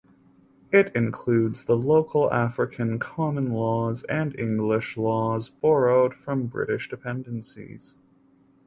It includes the local African common laws and English laws borrowed from British dependencies.